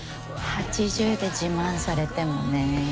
８０で自慢されてもね。